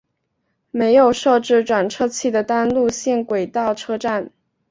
没有设置转辙器的单线路轨车站。